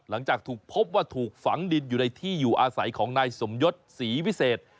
หลังจากถูกพบว่าถูกฝังดินอยู่ในที่อยู่อาศัยของนายสมยศศรีวิเศษ